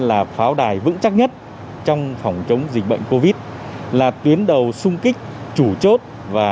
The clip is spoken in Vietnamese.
là pháo đài vững chắc nhất trong phòng chống dịch bệnh covid là tuyến đầu sung kích chủ chốt và